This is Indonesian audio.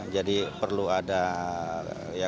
jadi perlu ada